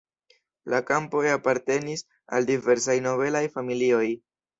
La kampoj apartenis al diversaj nobelaj familioj.